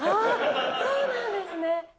そうなんですね。